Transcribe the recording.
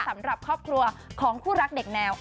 สำหรับครอบครัวของคู่รักเด็กแนว